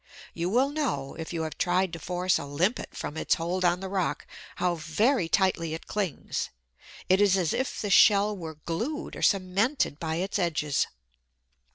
You will know, if you have tried to force a Limpet from its hold on the rock, how very tightly it clings. It is as if the shell were glued or cemented by its edges.